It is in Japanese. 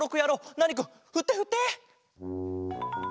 ナーニくんふってふって！